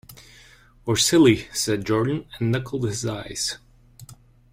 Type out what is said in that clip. "Or silly," said Jordan, and knuckled his eyes.